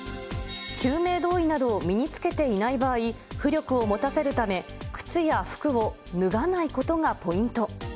救命胴衣などを身につけていない場合、浮力を持たせるため、靴や服を脱がないことがポイント。